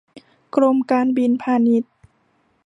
กรมการบินพาณิชย์